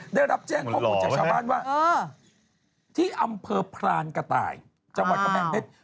ได้รับแจ้งข้อมูลจากชาวบ้านว่าที่อำเภอพรานกระต่ายจังหวัดกำแพงเพชร